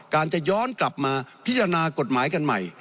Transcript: จะย้อนกลับมาพิจารณากฎหมายกันใหม่